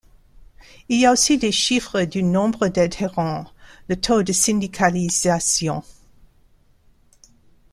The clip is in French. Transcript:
Il y a aussi les chiffres du nombre d'adhérents, le taux de syndicalisation.